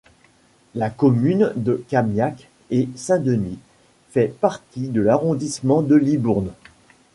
La commune de Camiac-et-Saint-Denis fait partie de l'arrondissement de Libourne.